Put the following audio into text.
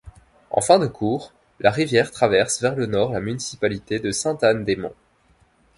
En fin de cours, la rivière traverse vers le nord la municipalité de Sainte-Anne-des-Monts.